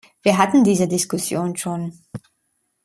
Wir hatten diese Diskussion schon.